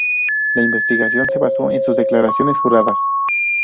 La investigación se basó en sus declaraciones juradas.